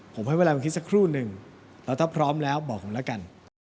ผมให้เวลาผมคิดสักครู่หนึ่งแล้วถ้าพร้อมแล้วบอกผมแล้วกัน